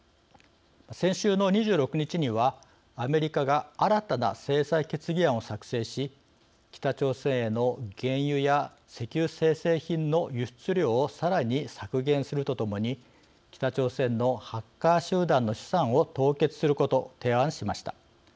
先週の２６日にはアメリカが新たな制裁決議案を作成し北朝鮮への原油や石油精製品の輸出量をさらに削減するとともに北朝鮮のハッカー集団の資産を凍結すること、提案しました。